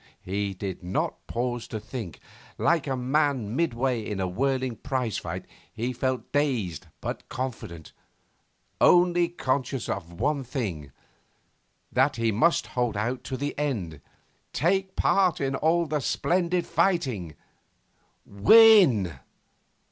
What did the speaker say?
He did not pause to think. Like a man midway in a whirling prize fight, he felt dazed but confident, only conscious of one thing that he must hold out to the end, take part in all the splendid fighting win.